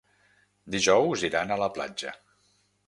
Dijous iran a la platja.